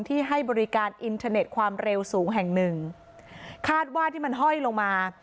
ให้บริการอินเทอร์เน็ตความเร็วสูงแห่งหนึ่งคาดว่าที่มันห้อยลงมา